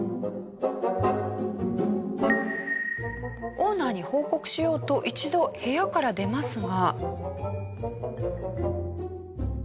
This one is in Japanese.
オーナーに報告しようと一度部屋から出ますが。